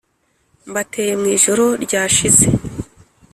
Mbateye mwijoro ryashize